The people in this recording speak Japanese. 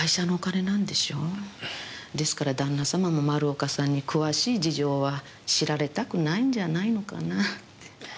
ですからだんな様も丸岡さんに詳しい事情は知られたくないんじゃないのかなって。